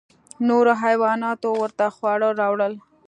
نورو حیواناتو ورته خواړه راوړل.